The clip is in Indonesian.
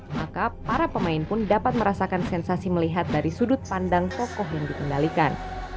maka para pemain pun dapat merasakan sensasi melihat dari sudut pandang tokoh yang dikendalikan